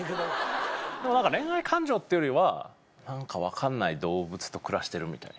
でも恋愛感情ってよりは何か分かんない動物と暮らしてるみたいな。